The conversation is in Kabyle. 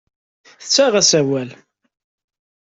Tettaɣ-as awal.